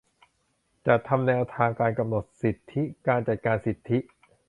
จัดทำแนวทางการกำหนดสิทธิ การจัดการสิทธิ